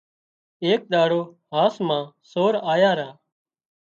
ايڪ ۮاڙو هاس مان سور آيا را